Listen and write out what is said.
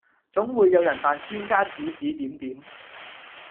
總會有人扮專家指指點點